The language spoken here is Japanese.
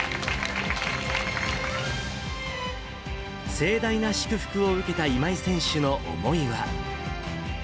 盛大な祝福を受けた今井選手の思いは。